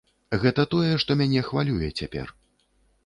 Гэта тое, што мяне хвалюе цяпер.